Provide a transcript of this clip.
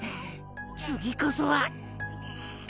次こそは。